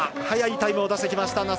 早いタイムを出した。